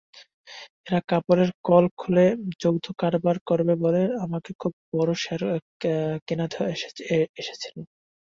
এরা কাপড়ের কল খুলে যৌথ কারবার করবে বলে আমাকে খুব বড়ো শেয়ার কেনাতে এসেছিল।